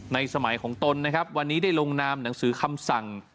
สมัยของตนนะครับวันนี้ได้ลงนามหนังสือคำสั่ง